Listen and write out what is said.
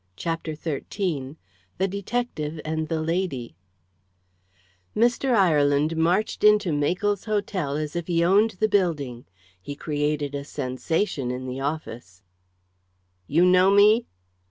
CHAPTER XIII THE DETECTIVE AND THE LADY Mr. Ireland marched into Makell's Hotel as if he owned the building. He created a sensation in the office. "You know me?"